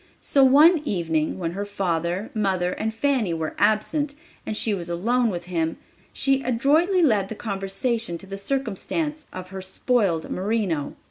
So one evening when her father, mother and Fanny were absent, and she was alone with him, she adroitly led the conversation to the circumstance of her spoiled merino.